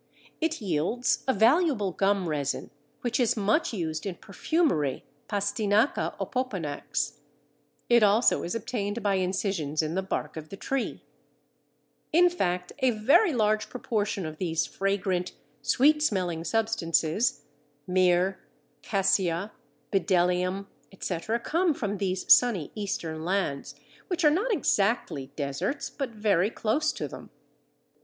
It yields a valuable gum resin, which is much used in perfumery (Pastinaca opoponax). It also is obtained by incisions in the bark of the tree. Ridley, l.c.; Lindley, l.c.; Maisch, Materia Medica. In fact a very large proportion of these fragrant sweet smelling substances, Myrrh, Cassia, Bdellium, etc., come from these sunny Eastern lands, which are not exactly deserts but very close to them.